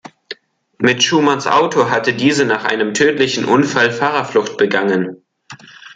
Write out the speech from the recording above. Mit Schumanns Auto hatte diese nach einem tödlichen Unfall Fahrerflucht begangen.